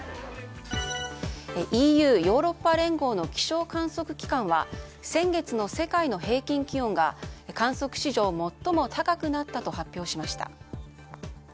ＥＵ・ヨーロッパ連合の気象観測機関は先月の世界の平均気温が観測史上、最も高くなったと発表しました。